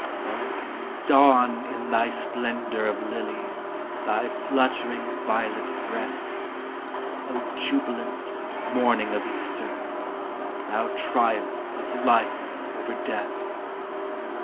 Oh, dawn in thy splendor of lilies, Thy fluttering violet breath, Oh, jubilant morning of Easter, Thou triumph of life oyer death